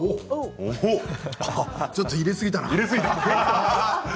ちょっと入れすぎた。